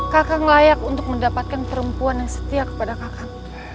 kakak layak untuk mendapatkan perempuan yang setia kepada kakak